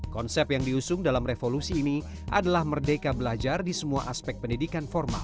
konsep yang diusung dalam revolusi ini adalah merdeka belajar di semua aspek pendidikan formal